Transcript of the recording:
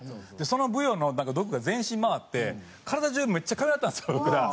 そのブヨの毒が全身回って体中がめっちゃ痒なったんですよ福田。